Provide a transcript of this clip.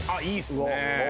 いいっすね。